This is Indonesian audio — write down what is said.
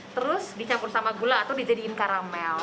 terus dicampur sama gula atau dijadiin karamel